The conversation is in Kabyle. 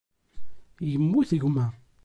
Yemmut gma.